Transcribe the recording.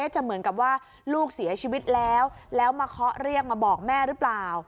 จะเหมือนกับว่าลูกเสียชีวิตแล้วแล้วมาเคาะเรียกมาบอกแม่หรือเปล่า